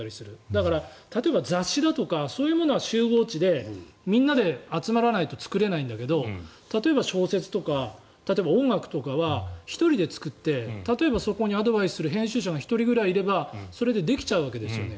だから、例えば雑誌だとかそういうのは集合知でみんなで集まらないと作れないんだけど例えば小説とか音楽とかは１人で作って例えばそこにアドバイスする編集者が１人いればそれでできちゃうわけですよね。